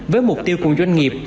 với mục tiêu của doanh nghiệp